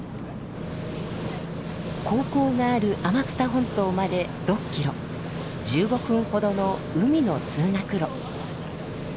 高校がある天草本島まで６キロ１５分ほどの海の通学路。